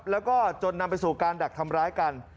แล้วก็จนนำไปสู่การดักทำร้ายกัน